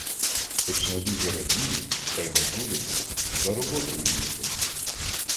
Хоч не дуже радіє, та й не журиться: за роботою ніколи.